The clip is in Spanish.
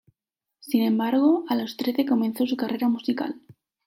Sin embargo, a los trece comenzó su carrera musical.